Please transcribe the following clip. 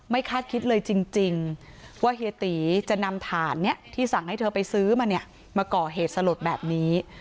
คาดคิดเลยจริงว่าเฮียตีจะนำถ่านนี้ที่สั่งให้เธอไปซื้อมาเนี่ยมาก่อเหตุสลดแบบนี้